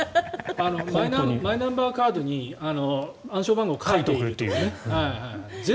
マイナンバーカードに暗証番号を書いておくというね。